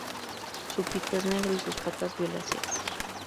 Su pico es negro y sus patas violáceas.